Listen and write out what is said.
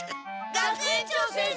学園長先生。